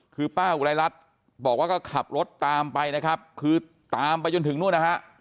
คือป้าอุไรรัฐบอกว่าก็ขับรถตามไปนะครับคือตามไปจนถึงนู่นนะฮะ